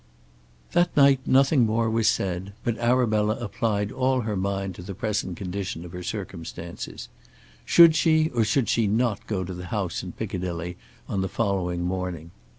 That night nothing more was said, but Arabella applied all her mind to the present condition of her circumstances. Should she or should she not go to the house in Piccadilly on the following morning?